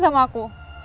jelasin sama aku